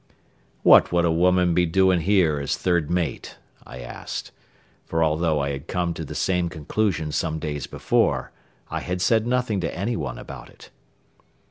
"What would a woman be doing here as third mate?" I asked; for although I had come to the same conclusion some days before, I had said nothing to any one about it.